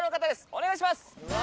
お願いします！